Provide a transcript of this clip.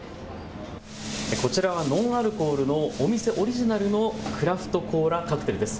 こちらはノンアルコールのお店オリジナルのクラフトコーラカクテルです。